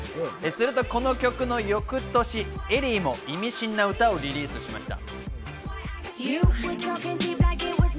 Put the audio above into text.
するとこの曲の翌年、エリーも意味深な歌をリリースしました。